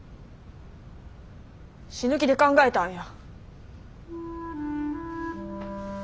死ぬ気で考えたんや。